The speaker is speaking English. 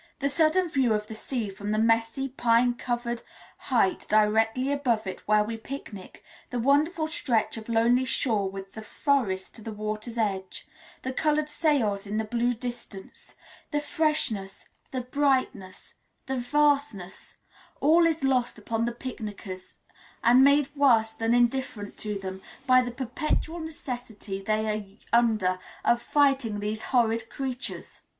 The sudden view of the sea from the messy, pine covered height directly above it where we picnic; the wonderful stretch of lonely shore with the forest to the water's edge; the coloured sails in the blue distance; the freshness, the brightness, the vastness all is lost upon the picnickers, and made worse than indifferent to them, by the perpetual necessity they are under of fighting these horrid creatures.